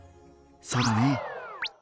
そうだね。